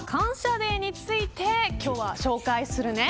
デーについて今日は紹介するね。